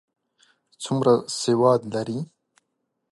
څومره سواد لري؟